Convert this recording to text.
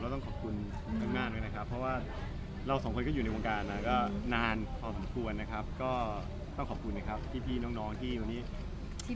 ต้องขอบคุณมากด้วยนะครับเพราะว่าเราสองคนก็อยู่ในวงการมาก็นานพอสมควรนะครับก็ต้องขอบคุณนะครับที่พี่น้องที่วันนี้